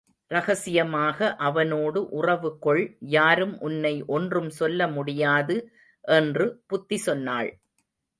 ரகசியமாக அவனோடு உறவு கொள் யாரும் உன்னை ஒன்றும் சொல்ல முடியாது என்று புத்தி சொன்னாள்.